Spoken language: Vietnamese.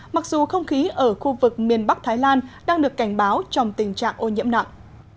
mặc dù không khí ở khu vực miền bắc thái lan đang được cảnh báo trong tình trạng ô nhiễm nặng